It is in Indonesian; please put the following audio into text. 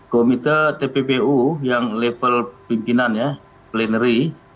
komite tppu yang level pimpinannya plenary